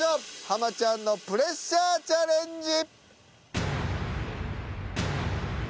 ハマちゃんのプレッシャーチャレンジ。